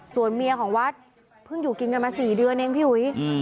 ส่วนเมียของวัดเพิ่งอยู่กินกันมา๔เดือนเองพี่อุ๋ย